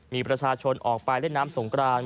มีประชาชนออกไปเล่นน้ำสงกราน